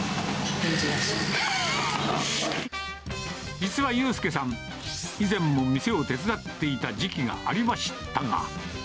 実は悠佑さん、以前も店を手伝っていた時期がありましたが。